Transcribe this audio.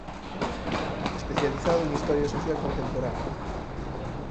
Especializado en historia social contemporánea.